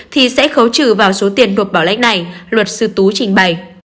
thì sẽ khấu trừ vào số tiền nộp bảo lãnh này luật sư tú trình bày